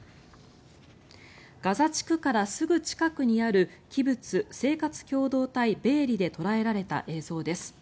ガザ地区からすぐ近くにあるキブツ・生活共同体ベエリで捉えられた映像です。